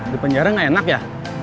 di penjara nggak enak ya